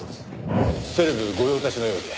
セレブ御用達のようで。